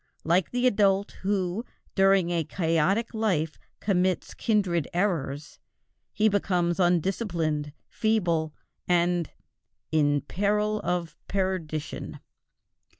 Like the adult who during a chaotic life commits kindred errors, he becomes undisciplined, feeble, and "in peril of perdition."